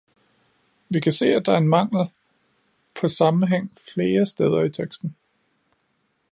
Vi kan se, at der er en mangel på sammenhæng flere steder i teksten.